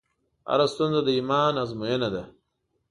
هره ستونزه د ایمان ازموینه ده.